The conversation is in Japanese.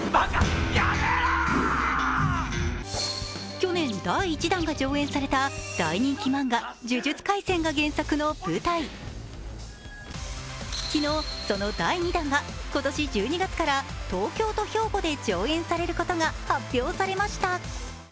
去年、第１弾が上演された大人気漫画「呪術廻戦」が原作の舞台。昨日、その第２弾が今年１２月から東京と兵庫で上演されることが発表されました。